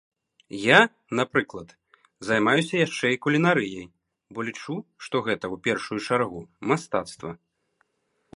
Я, напрыклад, займаюся яшчэ і кулінарыяй, бо лічу, што гэта, у першую чаргу, мастацтва.